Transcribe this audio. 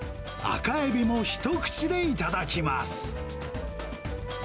赤エビも一口で頂きます。